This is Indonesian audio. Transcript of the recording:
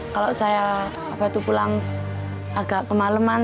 kalau saya pulang agak kemaleman